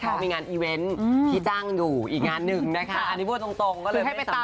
เขามีงานอีเวนต์ที่จ้างอยู่อีกงานหนึ่งนะคะอันนี้พูดตรงตรงก็เลยไม่สามารถ